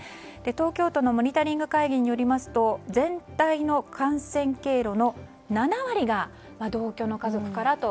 東京都のモニタリング会議によりますと全体の感染経路の７割が同居の家族からと。